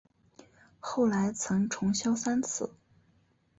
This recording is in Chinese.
后来曾重修三次。